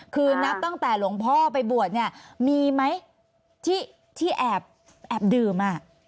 คือนับตั้งแต่หลวงพ่อไปบวชเนี่ยมีไหมที่แอบดื่ม